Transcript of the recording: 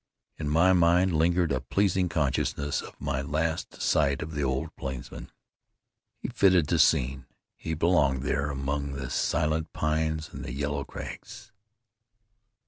In my mind lingered a pleasing consciousness of my last sight of the old plainsman. He fitted the scene; he belonged there among the silent pines and the yellow crags.